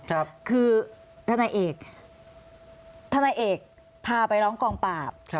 ครับคือท่านนายเอกท่านนายเอกพาไปร้องกล่องปลาบครับ